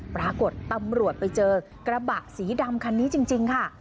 ปรากฏตำรวจไปเจอกระบะสีดำคันนี้จริงค่ะ